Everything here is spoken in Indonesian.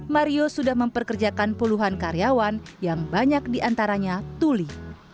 mario sudah memperkerjakan puluhan karyawan yang banyak diantaranya tuli